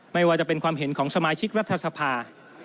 ไม่ว่าจะเป็นความเห็นของสมาชิกรัฐสภา